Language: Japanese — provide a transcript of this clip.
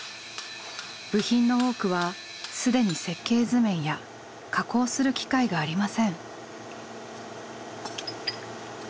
部品の多くは既に設計図面や加工する機械がありません。